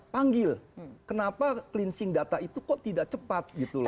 panggil kenapa cleansing data itu kok tidak cepat gitu loh